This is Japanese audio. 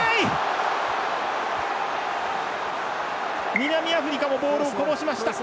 南アフリカもボールをこぼしました。